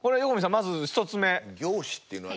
まず１つ目。